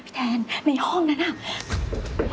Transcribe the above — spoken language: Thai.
แทนในห้องนั้นน่ะ